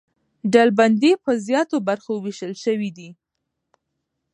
ډلبندي پر زیاتو برخو وېشل سوې ده.